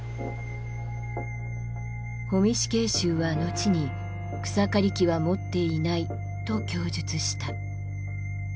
保見死刑囚はのちに「草刈り機は持っていない」と供述した。